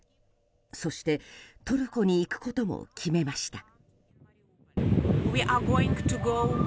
そしてトルコに行くことも決めました。